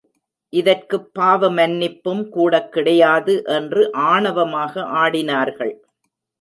இதற்குப் பாவமன்னிப்பும் கூட கிடையாது என்று ஆணவமாக ஆடினார்கள்!